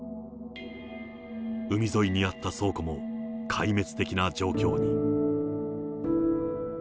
海沿いにあった倉庫も壊滅的な状況に。